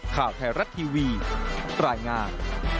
ข่าวไทยรัฐทีวีรายงาน